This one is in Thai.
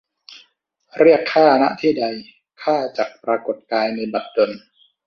เรียกข้า ณ ที่ใด ข้าจักปรากฎกายในบัดดล